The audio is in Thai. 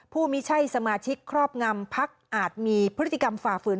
ผู้ไม่ใช่สมาชิกครอบงำพักอาจมีพฤติกรรมฝ่าฝืน